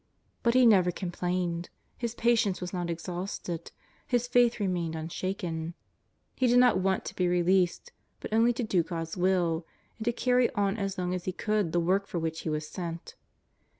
But he never com plained, his patience was not exhausted, his faith re mained unshaken. He did not want to be released, but only to do God's Will, and to carry on as long as he could the w^ork for which he was sent.